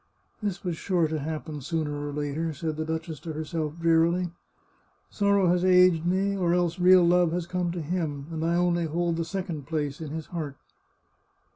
" This was sure to happen, sooner or later," said the duchess to herself, drearily. " Sorrow has aged me, or else real love has come to him, and I only hold the second place in his heart."